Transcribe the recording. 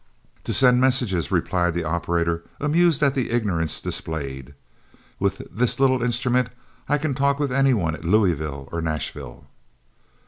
"To send messages," replied the operator, amused at the ignorance displayed. "With this little instrument, I can talk with any one at Louisville or Nashville."